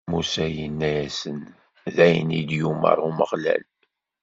Musa yenna-asen: D ayen i d-yumeṛ Umeɣlal.